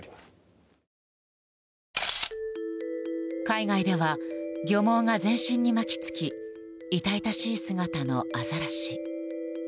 海外では漁網が全身に巻き付き痛々しい姿のアザラシ。